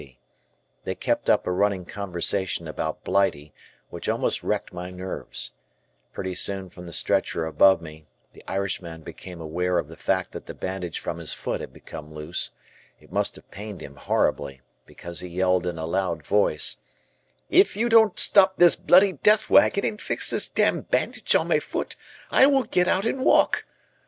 C. They kept up a running conversation about Blighty which almost wrecked my nerves; pretty soon from the stretcher above me, the Irishman became aware of the fact that the bandage from his foot had become loose; it must have pained him horribly, because he yelled in a loud voice: "If you don't stop this bloody death wagon and fix this damned bandage on my foot, I will get out and walk."